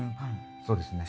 そうですね。